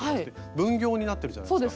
分業になってるじゃないですか。